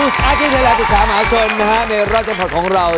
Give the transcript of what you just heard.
สวัสดีครับอาจารย์ภิกษามหาชนในรอดเต็มพอร์ตของเรา